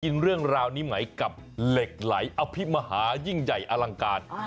เรียนร่างราวนี้ไหมกับเหล็กไหลเอาพิมมาฮายิ่งใหญ่อลังการ